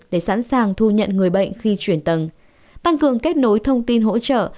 để sẵn sàng thu nhận người bệnh khi chuyển tầng tăng cường kết nối thông tin hỗ trợ